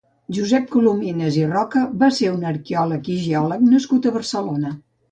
Josep Colominas i Roca va ser un arqueòleg i geòleg nascut a Barcelona.